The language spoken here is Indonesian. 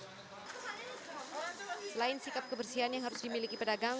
selain sikap kebersihan yang harus dimentikkan